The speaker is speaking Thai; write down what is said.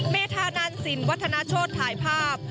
เมธานันสินวัฒนาโชธถ่ายภาพ